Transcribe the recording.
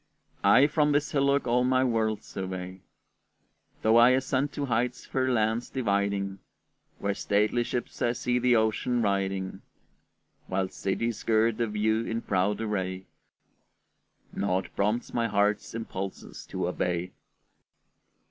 I from this hillock all my world survey! Though I ascend to heights fair lands dividing, Where stately ships I see the ocean riding, While cities gird the view in proud array, Naught prompts my heart's impulses to obey.